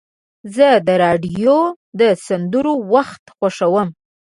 زه د راډیو د سندرو وخت خوښوم.